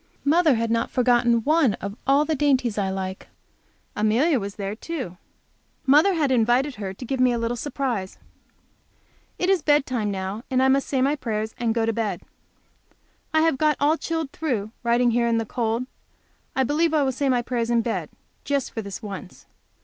Mother had not forgotten one of all the dainties I like. Amelia was there too. Mother had invited her to give me a little surprise. It is bedtime now, and I must say my prayers and go to bed. I have got all chilled through, writing here in the cold. I believe I will say my prayers in bed, just for this once.